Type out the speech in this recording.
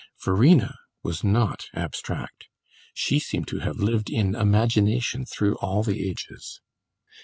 Verena was not abstract; she seemed to have lived in imagination through all the ages.